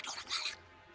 ada orang kalah